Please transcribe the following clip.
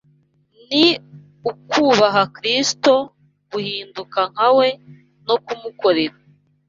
ni ukubaha Kristo, guhinduka nka we no kumukorera